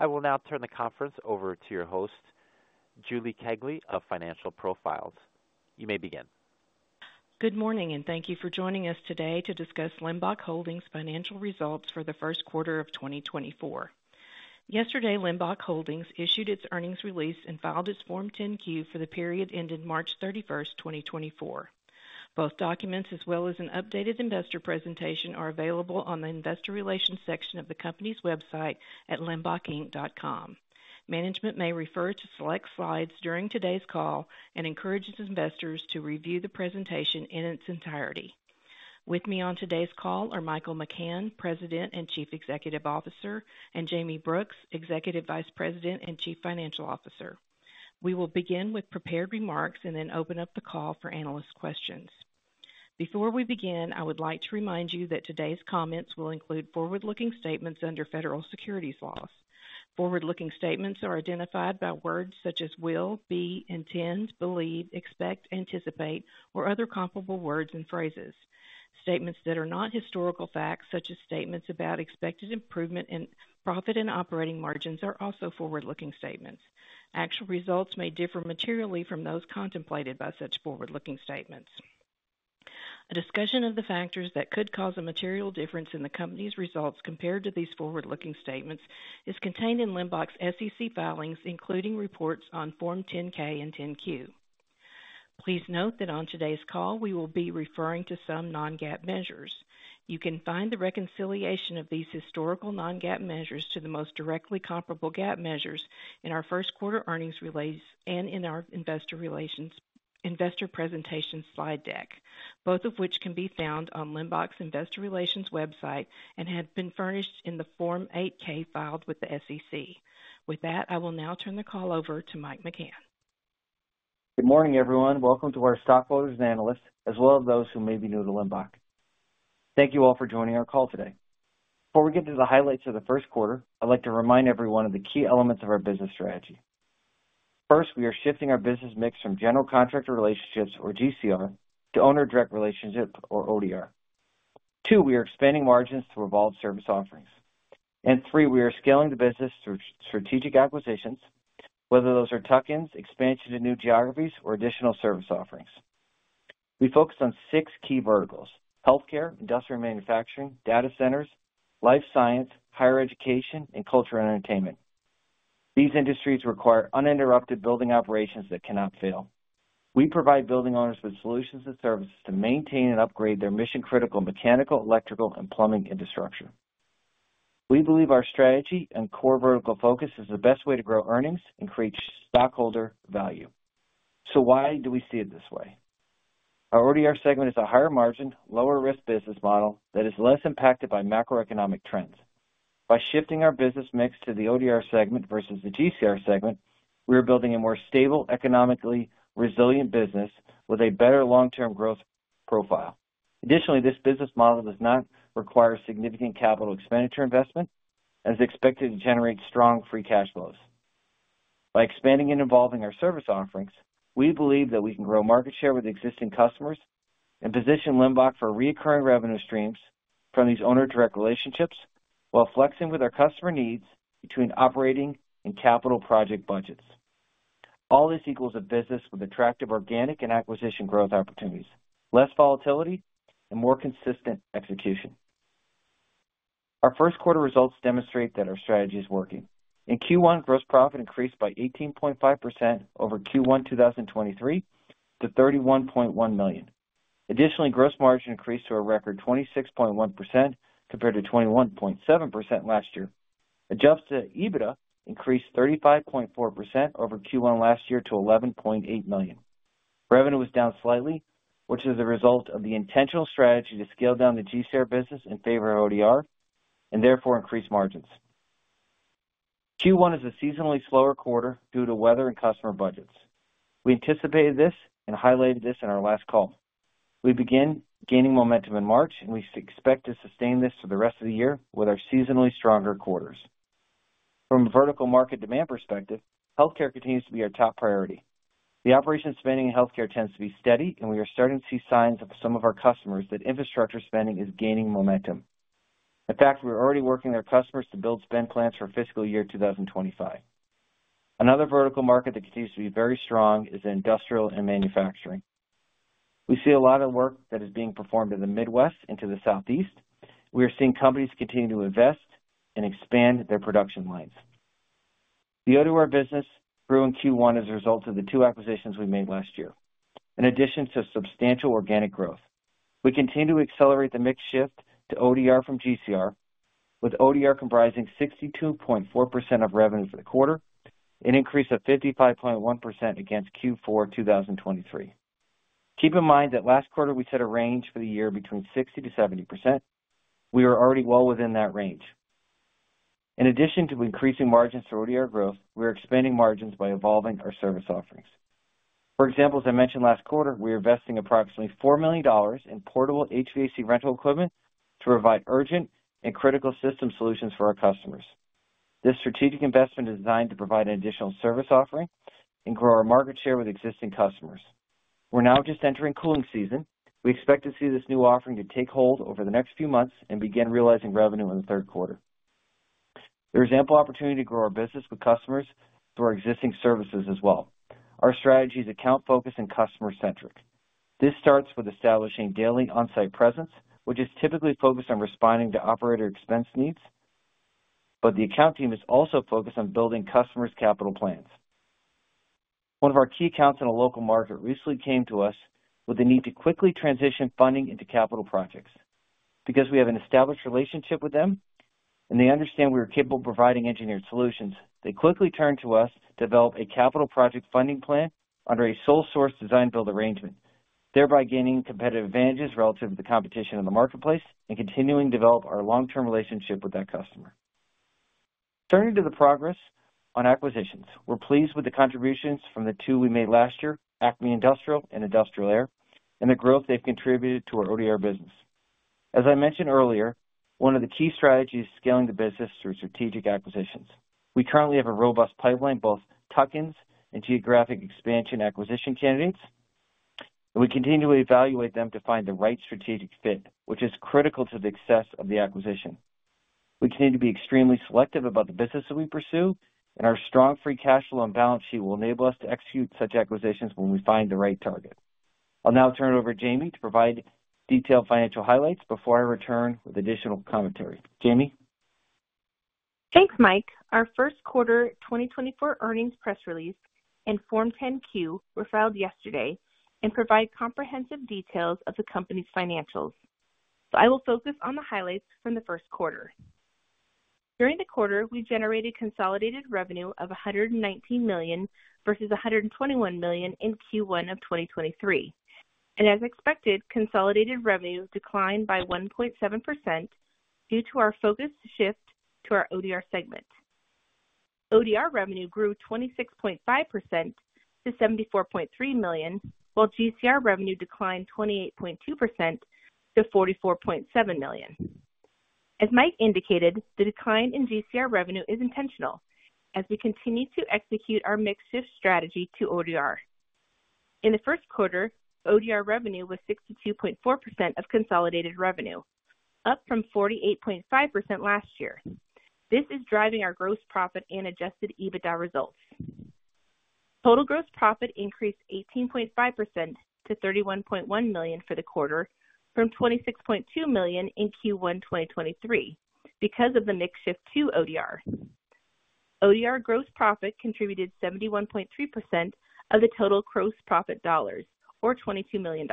I will now turn the conference over to your host, Julie Kegley of Financial Profiles. You may begin. Good morning, and thank you for joining us today to discuss Limbach Holdings' financial results for the first quarter of 2024. Yesterday, Limbach Holdings issued its earnings release and filed its Form 10-Q for the period ended March 31st, 2024. Both documents, as well as an updated investor presentation, are available on the Investor Relations section of the company's website at limbachinc.com. Management may refer to select slides during today's call and encourages investors to review the presentation in its entirety. With me on today's call are Michael McCann, President and Chief Executive Officer, and Jayme Brooks, Executive Vice President and Chief Financial Officer. We will begin with prepared remarks and then open up the call for analyst questions. Before we begin, I would like to remind you that today's comments will include forward-looking statements under federal securities laws. Forward-looking statements are identified by words such as will, be, intends, believe, expect, anticipate, or other comparable words and phrases. Statements that are not historical facts, such as statements about expected improvement in profit and operating margins, are also forward-looking statements. Actual results may differ materially from those contemplated by such forward-looking statements. A discussion of the factors that could cause a material difference in the company's results compared to these forward-looking statements is contained in Limbach's SEC filings, including reports on Form 10-K and 10-Q. Please note that on today's call, we will be referring to some non-GAAP measures. You can find the reconciliation of these historical non-GAAP measures to the most directly comparable GAAP measures in our first quarter earnings release and in our investor relations investor presentation slide deck, both of which can be found on Limbach's Investor Relations website and have been furnished in the Form 8-K filed with the SEC. With that, I will now turn the call over to Mike McCann. Good morning, everyone. Welcome to our stockholders and analysts, as well as those who may be new to Limbach. Thank you all for joining our call today. Before we get to the highlights of the first quarter, I'd like to remind everyone of the key elements of our business strategy. First, we are shifting our business mix from general contractor relationships, or GCR, to owner direct relationships, or ODR. Two, we are expanding margins through evolved service offerings. And three, we are scaling the business through strategic acquisitions, whether those are tuck-ins, expansion to new geographies, or additional service offerings. We focus on six key verticals: healthcare, industrial and manufacturing, data centers, life science, higher education, and culture and entertainment. These industries require uninterrupted building operations that cannot fail. We provide building owners with solutions and services to maintain and upgrade their mission-critical mechanical, electrical, and plumbing infrastructure. We believe our strategy and core vertical focus is the best way to grow earnings and create stockholder value. So why do we see it this way? Our ODR segment is a higher margin, lower risk business model that is less impacted by macroeconomic trends. By shifting our business mix to the ODR segment versus the GCR segment, we are building a more stable, economically resilient business with a better long-term growth profile. Additionally, this business model does not require significant capital expenditure investment and is expected to generate strong free cash flows. By expanding and evolving our service offerings, we believe that we can grow market share with existing customers and position Limbach for recurring revenue streams from these owner direct relationships, while flexing with our customer needs between operating and capital project budgets. All this equals a business with attractive organic and acquisition growth opportunities, less volatility, and more consistent execution. Our first quarter results demonstrate that our strategy is working. In Q1, gross profit increased by 18.5% over Q1 2023, to $31.1 million. Additionally, gross margin increased to a record 26.1% compared to 21.7% last year. Adjusted EBITDA increased 35.4% over Q1 last year to $11.8 million. Revenue was down slightly, which is a result of the intentional strategy to scale down the GCR business in favor of ODR and therefore increase margins. Q1 is a seasonally slower quarter due to weather and customer budgets. We anticipated this and highlighted this in our last call. We began gaining momentum in March, and we expect to sustain this for the rest of the year with our seasonally stronger quarters. From a vertical market demand perspective, healthcare continues to be our top priority. The operational spending in healthcare tends to be steady, and we are starting to see signs of some of our customers that infrastructure spending is gaining momentum. In fact, we're already working with our customers to build spend plans for fiscal year 2025. Another vertical market that continues to be very strong is industrial and manufacturing. We see a lot of work that is being performed in the Midwest into the Southeast. We are seeing companies continue to invest and expand their production lines. The ODR business grew in Q1 as a result of the two acquisitions we made last year, in addition to substantial organic growth. We continue to accelerate the mix shift to ODR from GCR, with ODR comprising 62.4% of revenue for the quarter, an increase of 55.1% against Q4 2023. Keep in mind that last quarter, we set a range for the year between 60%-70%. We are already well within that range. In addition to increasing margins through ODR growth, we are expanding margins by evolving our service offerings. For example, as I mentioned last quarter, we are investing approximately $4 million in portable HVAC rental equipment to provide urgent and critical system solutions for our customers. This strategic investment is designed to provide an additional service offering and grow our market share with existing customers....We're now just entering cooling season. We expect to see this new offering to take hold over the next few months and begin realizing revenue in the third quarter. There is ample opportunity to grow our business with customers through our existing services as well. Our strategy is account focused and customer centric. This starts with establishing daily on-site presence, which is typically focused on responding to operator expense needs, but the account team is also focused on building customers' capital plans. One of our key accounts in a local market recently came to us with the need to quickly transition funding into capital projects. Because we have an established relationship with them and they understand we are capable of providing engineered solutions, they quickly turned to us to develop a capital project funding plan under a sole source design build arrangement, thereby gaining competitive advantages relative to the competition in the marketplace and continuing to develop our long-term relationship with that customer. Turning to the progress on acquisitions. We're pleased with the contributions from the two we made last year, Acme Industrial and Industrial Air, and the growth they've contributed to our ODR business. As I mentioned earlier, one of the key strategies is scaling the business through strategic acquisitions. We currently have a robust pipeline, both tuck-ins and geographic expansion acquisition candidates, and we continually evaluate them to find the right strategic fit, which is critical to the success of the acquisition. We continue to be extremely selective about the business that we pursue, and our strong free cash flow and balance sheet will enable us to execute such acquisitions when we find the right target. I'll now turn it over to Jayme to provide detailed financial highlights before I return with additional commentary. Jayme? Thanks, Mike. Our first quarter 2024 earnings press release and Form 10-Q were filed yesterday and provide comprehensive details of the company's financials, so I will focus on the highlights from the first quarter. During the quarter, we generated consolidated revenue of $119 million versus $121 million in Q1 of 2023. And as expected, consolidated revenue declined by 1.7% due to our focused shift to our ODR segment. ODR revenue grew 26.5% to $74.3 million, while GCR revenue declined 28.2% to $44.7 million. As Mike indicated, the decline in GCR revenue is intentional as we continue to execute our mix shift strategy to ODR. In the first quarter, ODR revenue was 62.4% of consolidated revenue, up from 48.5% last year. This is driving our gross profit and adjusted EBITDA results. Total gross profit increased 18.5% to $31.1 million for the quarter, from $26.2 million in Q1 2023, because of the mix shift to ODR. ODR gross profit contributed 71.3% of the total gross profit dollars, or $22 million.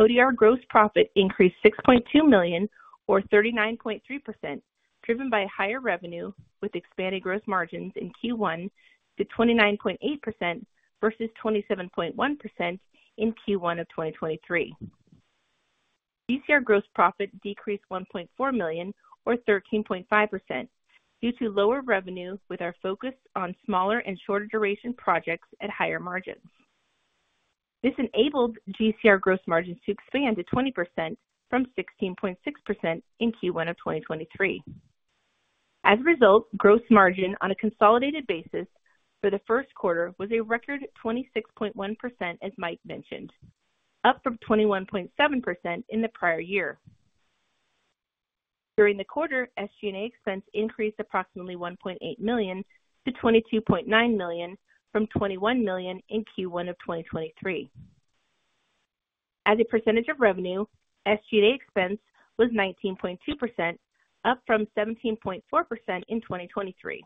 ODR gross profit increased $6.2 million, or 39.3%, driven by higher revenue, with expanded gross margins in Q1 to 29.8% versus 27.1% in Q1 of 2023. GCR gross profit decreased $1.4 million, or 13.5%, due to lower revenue, with our focus on smaller and shorter duration projects at higher margins. This enabled GCR gross margins to expand to 20% from 16.6% in Q1 of 2023. As a result, gross margin on a consolidated basis for the first quarter was a record 26.1%, as Mike mentioned, up from 21.7% in the prior year. During the quarter, SG&A expense increased approximately $1.8 million to $22.9 million from $21 million in Q1 of 2023. As a percentage of revenue, SG&A expense was 19.2%, up from 17.4% in 2023.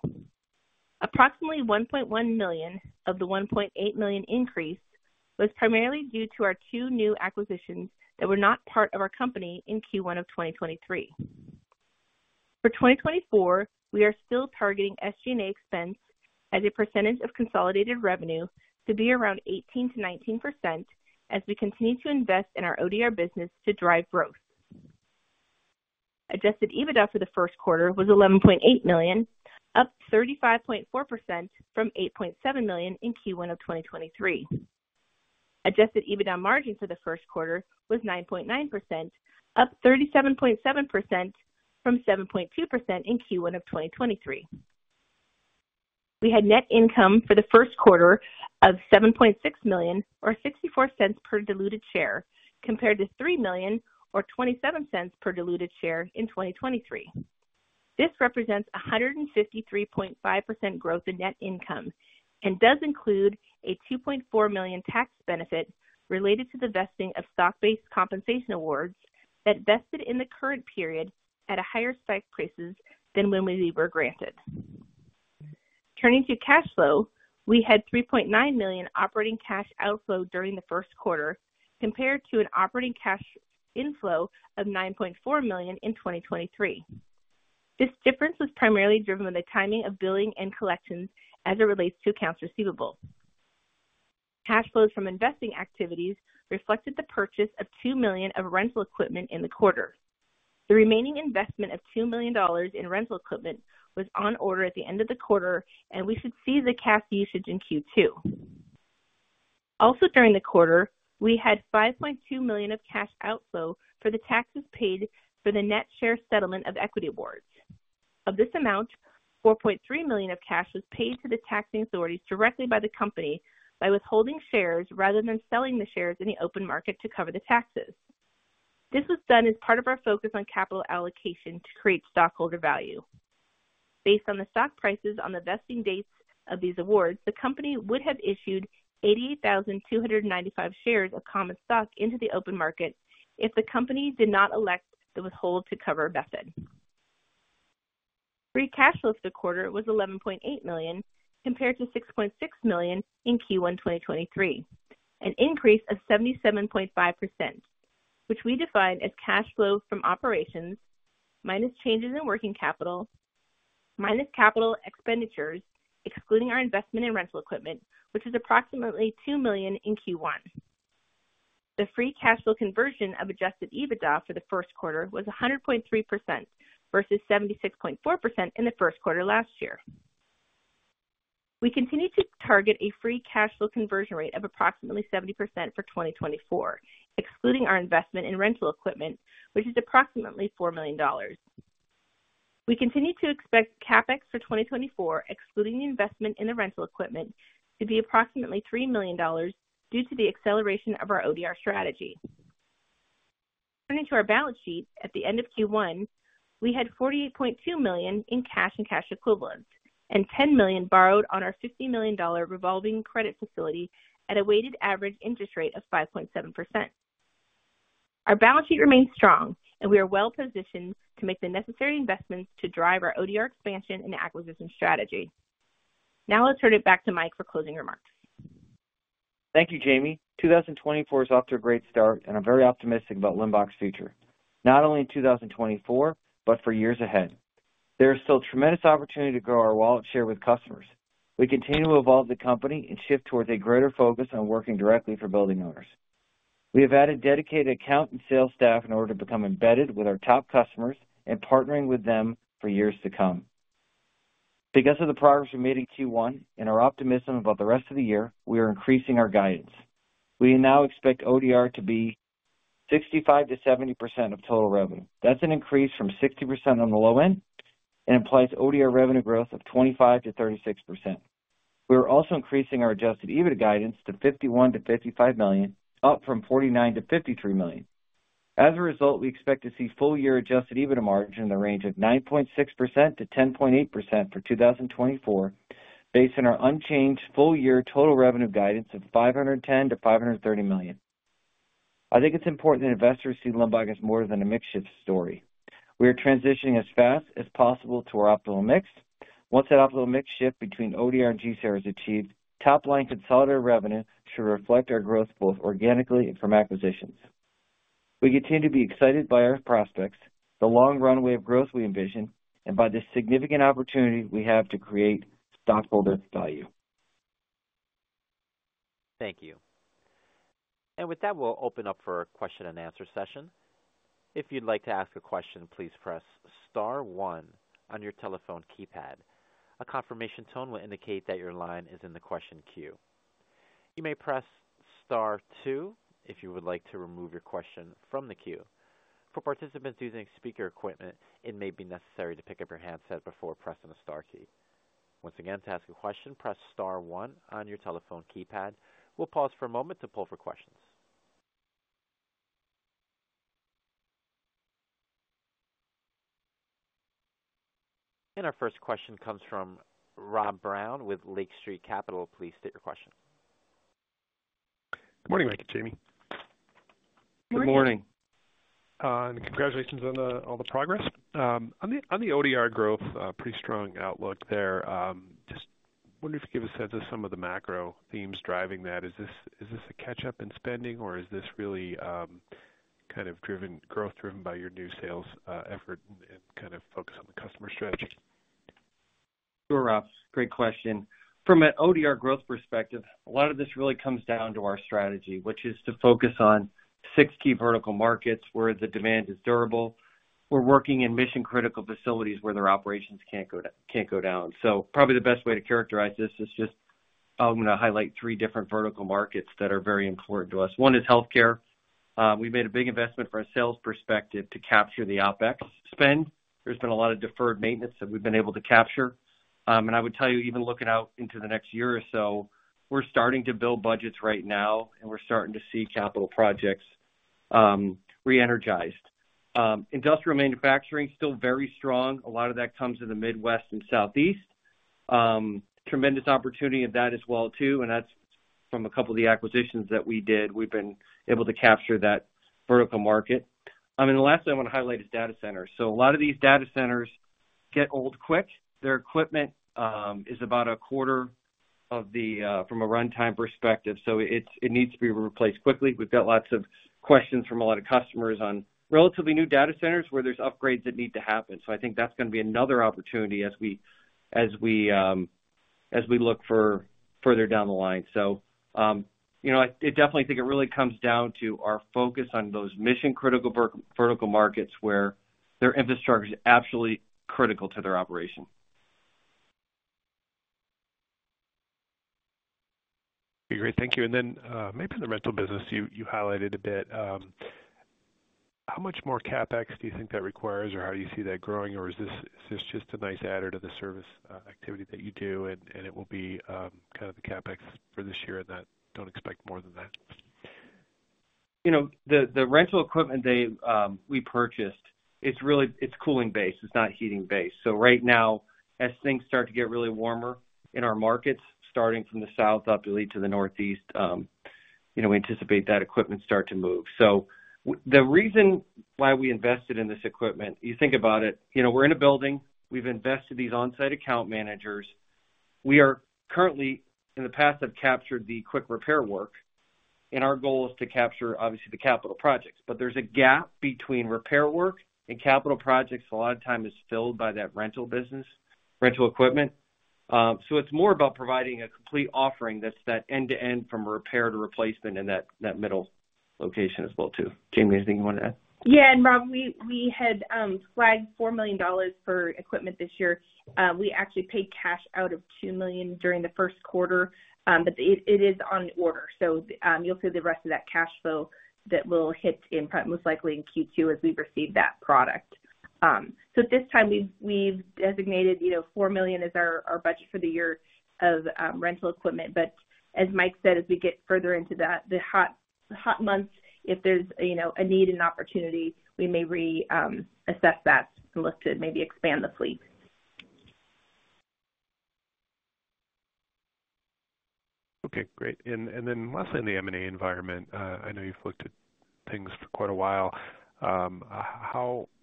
Approximately $1.1 million of the $1.8 million increase was primarily due to our two new acquisitions that were not part of our company in Q1 of 2023. For 2024, we are still targeting SG&A expense as a percentage of consolidated revenue to be around 18%-19% as we continue to invest in our ODR business to drive growth. Adjusted EBITDA for the first quarter was $11.8 million, up 35.4% from $8.7 million in Q1 of 2023. Adjusted EBITDA margin for the first quarter was 9.9%, up 37.7% from 7.2% in Q1 of 2023. We had net income for the first quarter of $7.6 million, or $0.64 per diluted share, compared to $3 million or $0.27 per diluted share in 2023. This represents a 153.5% growth in net income and does include a $2.4 million tax benefit related to the vesting of stock-based compensation awards that vested in the current period at a higher strike prices than when we were granted. Turning to cash flow. We had $3.9 million operating cash outflow during the first quarter, compared to an operating cash inflow of $9.4 million in 2023. This difference was primarily driven by the timing of billing and collections as it relates to accounts receivable. Cash flows from investing activities reflected the purchase of $2 million of rental equipment in the quarter. The remaining investment of $2 million in rental equipment was on order at the end of the quarter, and we should see the cash usage in Q2. Also during the quarter, we had $5.2 million of cash outflow for the taxes paid for the net share settlement of equity awards. Of this amount, $4.3 million of cash was paid to the taxing authorities directly by the company by withholding shares rather than selling the shares in the open market to cover the taxes. This was done as part of our focus on capital allocation to create stockholder value. Based on the stock prices on the vesting dates of these awards, the company would have issued 88,295 shares of common stock into the open market if the company did not elect the withhold to cover method. Free cash flow for the quarter was $11.8 million, compared to $6.6 million in Q1 2023, an increase of 77.5%, which we define as cash flow from operations minus changes in working capital, minus capital expenditures, excluding our investment in rental equipment, which is approximately $2 million in Q1. The free cash flow conversion of Adjusted EBITDA for the first quarter was 100.3% versus 76.4% in the first quarter last year. We continue to target a free cash flow conversion rate of approximately 70% for 2024, excluding our investment in rental equipment, which is approximately $4 million. We continue to expect CapEx for 2024, excluding the investment in the rental equipment, to be approximately $3 million due to the acceleration of our ODR strategy. Turning to our balance sheet, at the end of Q1, we had $48.2 million in cash and cash equivalents, and $10 million borrowed on our $50 million revolving credit facility at a weighted average interest rate of 5.7%. Our balance sheet remains strong, and we are well positioned to make the necessary investments to drive our ODR expansion and acquisition strategy. Now let's turn it back to Mike for closing remarks. Thank you, Jayme. 2024 is off to a great start, and I'm very optimistic about Limbach's future, not only in 2024, but for years ahead. There is still tremendous opportunity to grow our wallet share with customers. We continue to evolve the company and shift towards a greater focus on working directly for building owners. We have added dedicated account and sales staff in order to become embedded with our top customers and partnering with them for years to come. Because of the progress we made in Q1 and our optimism about the rest of the year, we are increasing our guidance. We now expect ODR to be 65%-70% of total revenue. That's an increase from 60% on the low end and implies ODR revenue growth of 25%-36%. We're also increasing our Adjusted EBITDA guidance to $51 million-$55 million, up from $49 million-$53 million. As a result, we expect to see full-year Adjusted EBITDA margin in the range of 9.6%-10.8% for 2024, based on our unchanged full-year total revenue guidance of $510 million-$530 million. I think it's important that investors see Limbach as more than a mix shift story. We are transitioning as fast as possible to our optimal mix. Once that optimal mix shift between ODR and GCR is achieved, top line consolidated revenue should reflect our growth both organically and from acquisitions. We continue to be excited by our prospects, the long runway of growth we envision, and by the significant opportunity we have to create stockholder value. Thank you. And with that, we'll open up for a question-and-answer session. If you'd like to ask a question, please press star one on your telephone keypad. A confirmation tone will indicate that your line is in the question queue. You may press star two if you would like to remove your question from the queue. For participants using speaker equipment, it may be necessary to pick up your handset before pressing the star key. Once again, to ask a question, press star one on your telephone keypad. We'll pause for a moment to pull for questions. And our first question comes from Rob Brown with Lake Street Capital. Please state your question. Good morning, Mike and Jaye. Good morning. Good morning. Congratulations on all the progress. On the ODR growth, pretty strong outlook there. Just wondering if you could give a sense of some of the macro themes driving that. Is this a catch-up in spending, or is this really kind of driven, growth driven by your new sales effort and kind of focus on the customer strategy? Sure, Rob, great question. From an ODR growth perspective, a lot of this really comes down to our strategy, which is to focus on six key vertical markets where the demand is durable. We're working in mission-critical facilities where their operations can't go, can't go down. So probably the best way to characterize this is just, I'm gonna highlight three different vertical markets that are very important to us. One is healthcare. We made a big investment from a sales perspective to capture the OpEx spend. There's been a lot of deferred maintenance that we've been able to capture. I would tell you, even looking out into the next year or so, we're starting to build budgets right now, and we're starting to see capital projects re-energized. Industrial manufacturing, still very strong. A lot of that comes in the Midwest and Southeast. Tremendous opportunity in that as well, too, and that's from a couple of the acquisitions that we did. We've been able to capture that vertical market. And the last thing I want to highlight is data centers. So a lot of these data centers get old quick. Their equipment is about a quarter of the [life] from a runtime perspective, so it needs to be replaced quickly. We've got lots of questions from a lot of customers on relatively new data centers where there's upgrades that need to happen. So I think that's gonna be another opportunity as we look further down the line. So, you know, I definitely think it really comes down to our focus on those mission-critical vertical markets where their infrastructure is absolutely critical to their operation. ... Okay, great. Thank you. And then, maybe in the rental business, you, you highlighted a bit, how much more CapEx do you think that requires? Or how do you see that growing? Or is this, is this just a nice adder to the service, activity that you do, and, and it will be, kind of the CapEx for this year, and that don't expect more than that? You know, the rental equipment we purchased, it's really, it's cooling based, it's not heating based. So right now, as things start to get really warmer in our markets, starting from the south up to lead to the northeast, you know, we anticipate that equipment start to move. So the reason why we invested in this equipment, you think about it, you know, we're in a building. We've invested these on-site account managers. We are currently, in the past, have captured the quick repair work, and our goal is to capture, obviously, the capital projects. But there's a gap between repair work and capital projects. A lot of time is filled by that rental business, rental equipment. So it's more about providing a complete offering that's that end-to-end from repair to replacement in that middle location as well, too. Jayme, anything you wanna add? Yeah, and Rob, we had flagged $4 million for equipment this year. We actually paid cash out of $2 million during the first quarter, but it is on order. So, you'll see the rest of that cash flow that will hit in most likely in Q2 as we receive that product. So at this time, we've designated, you know, $4 million as our budget for the year of rental equipment. But as Mike said, as we get further into the hot months, if there's, you know, a need and opportunity, we may reassess that and look to maybe expand the fleet. Okay, great. And then lastly, in the M&A environment, I know you've looked at things for quite a while.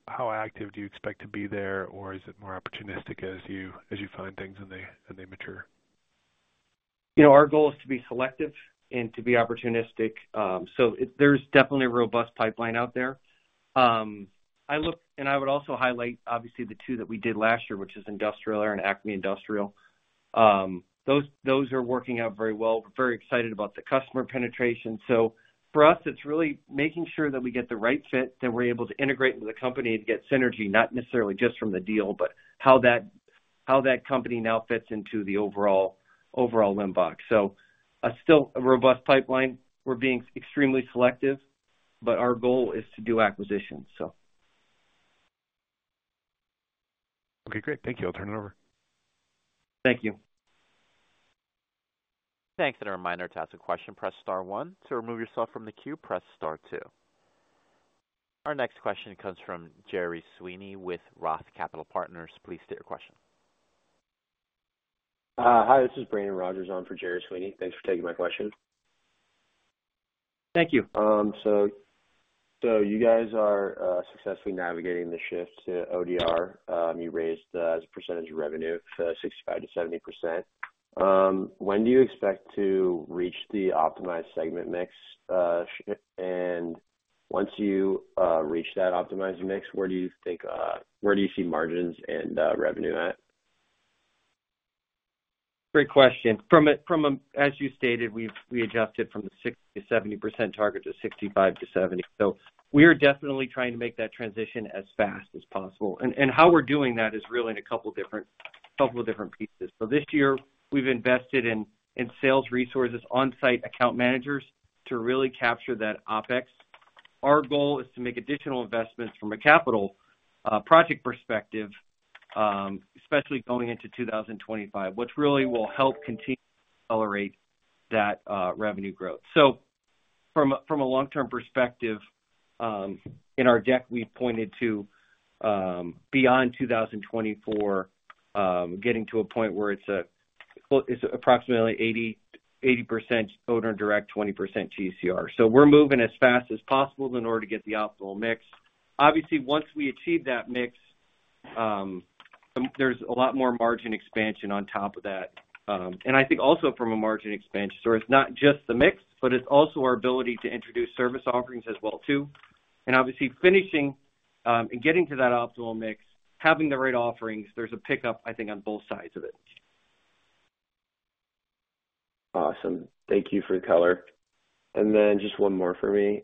How active do you expect to be there, or is it more opportunistic as you find things and they mature? You know, our goal is to be selective and to be opportunistic. So there's definitely a robust pipeline out there. And I would also highlight, obviously, the two that we did last year, which is Industrial Air and Acme Industrial. Those, those are working out very well. We're very excited about the customer penetration. So for us, it's really making sure that we get the right fit, that we're able to integrate with the company to get synergy, not necessarily just from the deal, but how that, how that company now fits into the overall, overall Limbach. So still a robust pipeline. We're being extremely selective, but our goal is to do acquisitions, so. Okay, great. Thank you. I'll turn it over. Thank you. Thanks. And a reminder, to ask a question, press star one. To remove yourself from the queue, press star two. Our next question comes from Gerry Sweeney with Roth Capital Partners. Please state your question. Hi, this is Brandon Rogers on for Gerry Sweeney. Thanks for taking my question. Thank you. So, you guys are successfully navigating the shift to ODR. You raised the percentage of revenue from 65% to 70%. When do you expect to reach the optimized segment mix, and once you reach that optimized mix, where do you think, where do you see margins and revenue at? Great question. As you stated, we've adjusted from the 60%-70% target to 65%-70%. So we are definitely trying to make that transition as fast as possible. And how we're doing that is really in a couple of different pieces. So this year, we've invested in sales resources, on-site account managers, to really capture that OpEx. Our goal is to make additional investments from a capital project perspective, especially going into 2025, which really will help continue to accelerate that revenue growth. So from a long-term perspective, in our deck, we pointed to beyond 2024, getting to a point where it's approximately 80% owner direct, 20% GCR. We're moving as fast as possible in order to get the optimal mix. Obviously, once we achieve that mix, there's a lot more margin expansion on top of that. And I think also from a margin expansion story, it's not just the mix, but it's also our ability to introduce service offerings as well, too. Obviously, finishing and getting to that optimal mix, having the right offerings, there's a pickup, I think, on both sides of it. Awesome. Thank you for the color. And then just one more for me.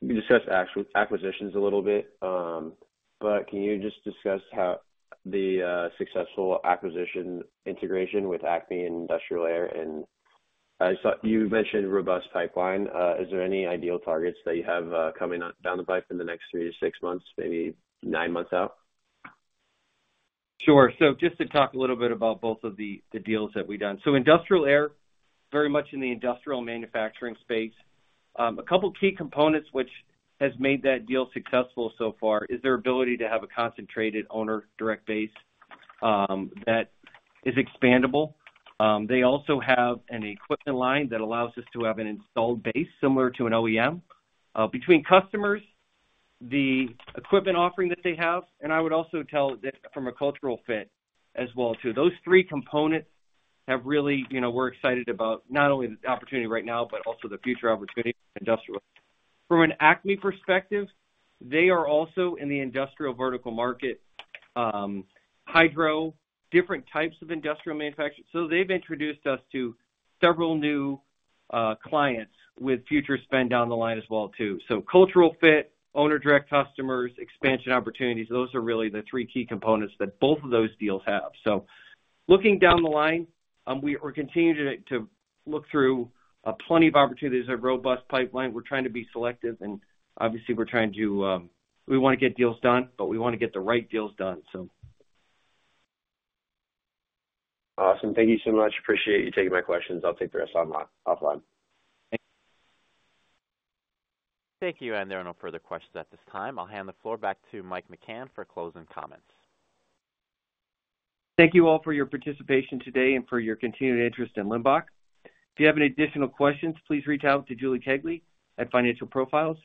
You discussed acquisitions a little bit, but can you just discuss how the successful acquisition integration with Acme and Industrial Air? And I saw you mentioned robust pipeline. Is there any ideal targets that you have coming down the pipe in the next 3-6 months, maybe 9 months out? Sure. So just to talk a little bit about both of the deals that we've done. So Industrial Air, very much in the industrial manufacturing space. A couple key components which has made that deal successful so far, is their ability to have a concentrated owner direct base, that is expandable. They also have an equipment line that allows us to have an installed base similar to an OEM. Between customers, the equipment offering that they have, and I would also tell that from a cultural fit as well, too. Those three components have really, you know, we're excited about not only the opportunity right now, but also the future opportunity industrial. From an Acme perspective, they are also in the industrial vertical market, hydro, different types of industrial manufacturing. So they've introduced us to several new clients with future spend down the line as well, too. So cultural fit, owner-direct customers, expansion opportunities, those are really the three key components that both of those deals have. So looking down the line, we are continuing to look through plenty of opportunities, a robust pipeline. We're trying to be selective, and obviously, we're trying to, we wanna get deals done, but we wanna get the right deals done, so. Awesome. Thank you so much. Appreciate you taking my questions. I'll take the rest online, offline. Thank you. There are no further questions at this time. I'll hand the floor back to Mike McCann for closing comments. Thank you all for your participation today and for your continued interest in Limbach. If you have any additional questions, please reach out to Julie Kegley at Financial Profiles.